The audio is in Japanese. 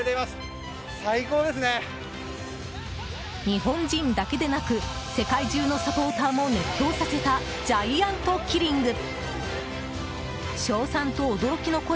日本人だけでなく世界中のサポーターも熱狂させたジャイアントキリング。